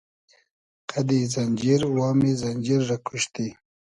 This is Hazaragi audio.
قئدی زئنجیر وامی زئنجیر رۂ کوشتی